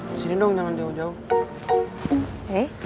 disini dong jangan jauh jauh